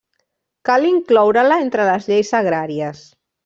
Cal incloure-la entre les lleis agràries.